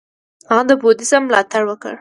هغه د بودیزم ملاتړ وکړ.